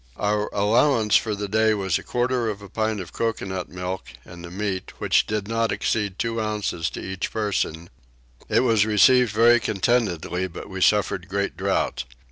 Our allowance for the day was a quarter of a pint of coconut milk and the meat, which did not exceed two ounces to each person: it was received very contentedly but we suffered great drought.